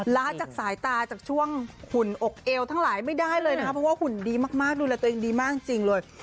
ล้าจากสายตาจากช่วงหุ่นอกเอวทั้งหลายไม่ได้เลยนะคะเพราะว่าหุ่นดีมากดูแลตัวเองดีมากจริงเลย